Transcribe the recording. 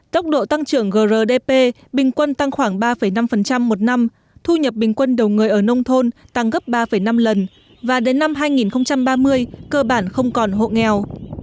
tốc độ tăng trưởng grdp bình quân tăng khoảng ba năm một năm thu nhập bình quân đầu người ở nông thôn tăng gấp ba năm lần và đến năm hai nghìn ba mươi cơ bản không còn hộ nghèo